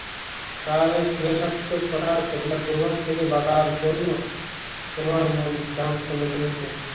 তার শ্লেষাত্মক কথার ক্ষতিকর প্রভাব থেকে বাঁচার জন্য তোমার মন প্রাণপণে লড়েছে।